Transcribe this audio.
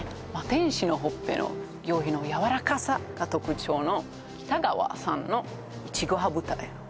天使のほっぺの驚異のやわらかさが特徴のきた川さんのいちご羽二重